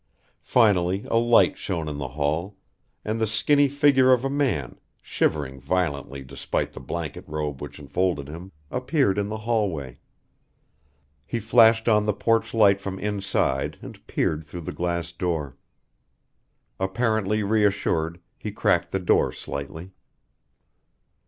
Finally a light shone in the hall, and the skinny figure of a man, shivering violently despite the blanket robe which enfolded him, appeared in the hallway. He flashed on the porch light from inside and peered through the glass door. Apparently reassured, he cracked the door slightly.